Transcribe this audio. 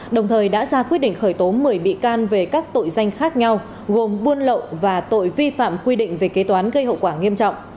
đồng thời đã ra quyết định khởi tố một mươi bị can về các tội danh khác nhau gồm buôn lậu và tội vi phạm quy định về kế toán gây hậu quả nghiêm trọng